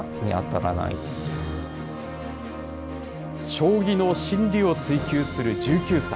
将棋の真理を追究する１９歳。